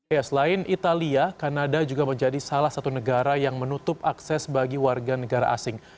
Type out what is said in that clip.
ya selain italia kanada juga menjadi salah satu negara yang menutup akses bagi warga negara asing